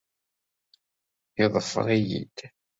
Yeḍfer-iyi-d.